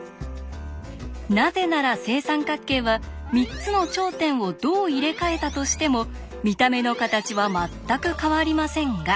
なぜなら正三角形は３つの頂点をどう入れ替えたとしても見た目の形は全く変わりませんが